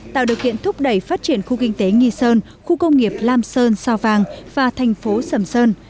tạo được hiện thúc đẩy phát triển khu kinh tế nghì sơn khu công nghiệp lam sơn sao vàng và thành phố sầm sơn